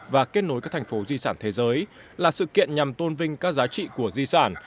và kết nối các thành phố di sản thế giới là sự kiện nhằm tôn vinh các giá trị của di sản